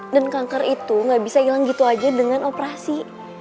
dan kanker itu gak bisa hilang gitu aja dengan operasi